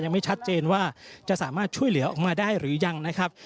ยังไม่ชัดเจนว่าจะสามารถช่วยเหลือออกมาได้หรือยังนะครับ